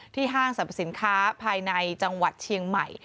ห้างสรรพสินค้าภายในจังหวัดเชียงใหม่